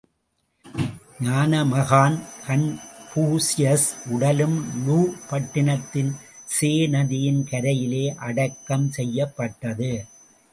ஞானமகான் Confucius உடலும் Lu பட்டினத்தின் சே நதியின் கரையிலே அடக்கம் செய்யப்பட்டது.